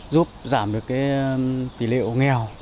giúp giảm được tỷ lệ ổ nghèo